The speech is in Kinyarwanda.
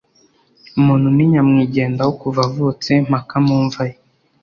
umuntu ni nyamwigendaho kuva avutse mpaka mumva ye